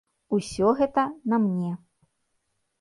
Усё гэта на мне.